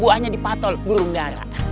buahnya di patol gurung dara